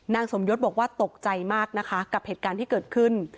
สมยศบอกว่าตกใจมากนะคะกับเหตุการณ์ที่เกิดขึ้น